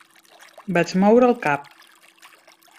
Vaig moure el cap.